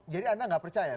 jadi anda nggak percaya